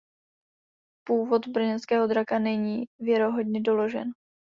Původ Brněnského draka není věrohodně doložen.